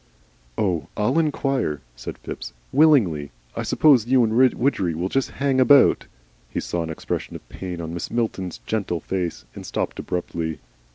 "Oh, I'LL inquire," said Phipps. "Willingly. I suppose you and Widgery will just hang about " He saw an expression of pain on Mrs. Milton's gentle face, and stopped abruptly.